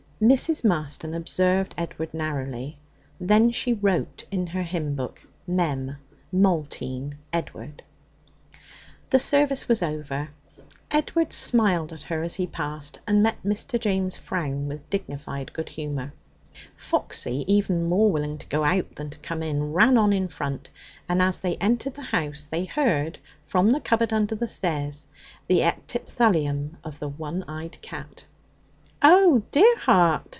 Mrs. Marston observed Edward narrowly. Then she wrote in her hymn book: 'Mem: Maltine; Edward.' The service was over. Edward smiled at her as he passed, and met Mr. James' frown with dignified good humour. Foxy, even more willing to go out than to come in, ran on in front, and as they entered the house they heard from the cupboard under the stairs the epithalamium of the one eyed cat. 'Oh, dear heart!'